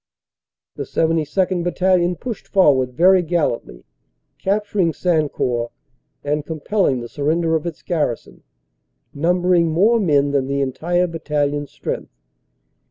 The 72nd. Battalion pushed forward very gallantly, cap turing Sancourt, and compelling the surrender of its garrison, numbering more men than the entire battalion strength.